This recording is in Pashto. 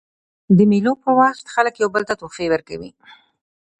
د مېلو پر وخت خلک یو بل ته تحفې ورکوي.